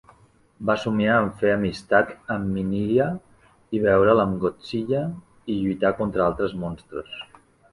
Va somiar amb fer amistat amb Minilla i veure'l amb Godzilla i lluitar contra altres monstres.